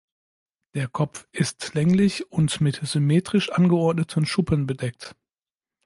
Der Kopf ist länglich und mit symmetrisch angeordneten Schuppen bedeckt.